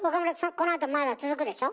このあとまだ続くでしょ？